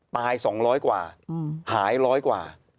ตาย๒๐๐กว่าหายร้อยกว่า